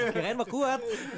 kirain mah kuat